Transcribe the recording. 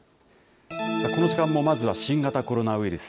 この時間もまずは新型コロナウイルス。